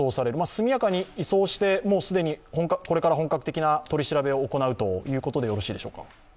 速やかに移送して既にこれから本格的な取り調べを行うということでよろしいでしょうか？